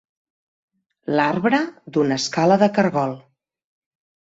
L'arbre d'una escala de cargol.